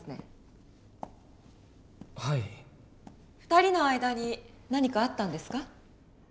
２人の間に何かあったんですか？